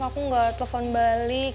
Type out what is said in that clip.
aku enggak telepon balik